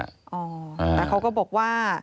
แต่เขาก็บอกว่า